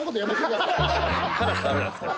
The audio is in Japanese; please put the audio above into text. カラスダメなんですか？